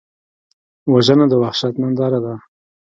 وژنه د وحشت ننداره ده